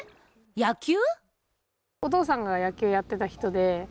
野球？